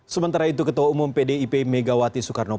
sementara itu ketua umum pdip megawati soekarnopoulos